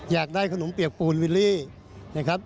อยากได้ขนมเปียกปูนวิลลี่นะครับ